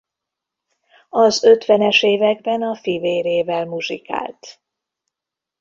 Az ötvenes években a fivérével muzsikált.